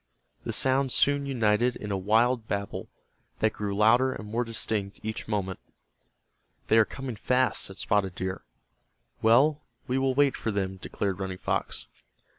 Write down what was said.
The sounds soon united in a wild babel that grew louder and more distinct each moment. "They are coming fast," said Spotted Deer. "Well, we will wait for them," declared Running Fox.